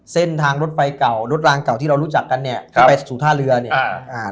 เส้นทางรถไฟเก่ารถรางเก่าที่เรารู้จักกันเนี่ยที่ไปสู่ท่าเรือเนี่ยอ่าอ่า